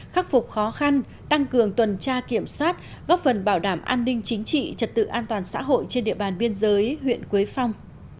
khắc phục khó khăn tăng cường tuần tra kiểm soát góp phần bảo đảm an ninh chính trị trật tự an toàn xã hội trên địa bàn biên giới huyện quế phong